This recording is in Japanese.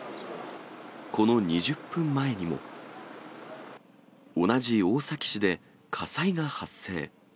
この２０分前にも、同じ大崎市で火災が発生。